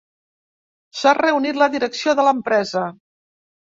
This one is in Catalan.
S'ha reunit la direcció de l'empresa.